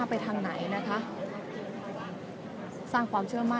และที่อยู่ด้านหลังคุณยิ่งรักนะคะก็คือนางสาวคัตยาสวัสดีผลนะคะ